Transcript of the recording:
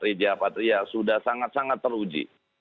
rija patria sudah sangat sangat teruji